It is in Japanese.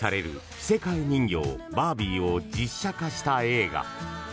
着せ替え人形バービーを実写化した映画。